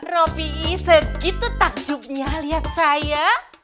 roh p i segitu takjubnya lihat saya